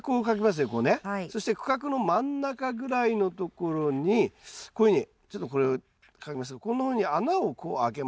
そして区画の真ん中ぐらいのところにこういうふうにちょっとこれを描きますがこんなふうに穴をこう開けます。